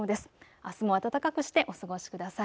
あすも暖かくしてお過ごしください。